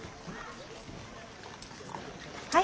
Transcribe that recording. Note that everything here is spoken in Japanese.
はい。